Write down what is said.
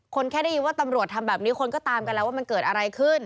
แค่ได้ยินว่าตำรวจทำแบบนี้คนก็ตามกันแล้วว่ามันเกิดอะไรขึ้น